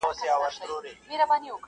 شماره هغه بس چي خوی د سړو راوړي,